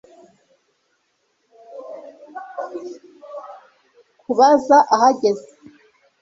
kubaza ahageze